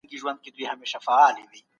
جګړې خپلمنځي اړیکې سختې زیانمنوي.